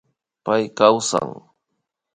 Pay kawsan